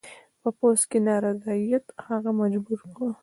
په پوځ کې نارضاییت هغه مجبور کړ.